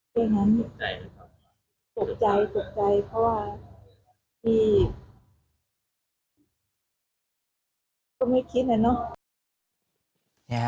ด้วยงั้นตกใจตกใจเพราะว่าที่ก็ไม่คิดเลยเนอะ